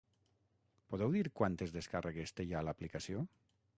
Podeu dir quantes descàrregues té ja l’aplicació?